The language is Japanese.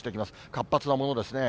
活発なものですね。